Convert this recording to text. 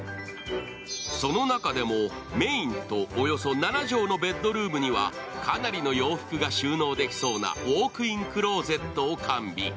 その中でもメインとおよそ７畳のベッドルームにはかなりの洋服が収納できそうなウォーク・イン・クローゼットを完備。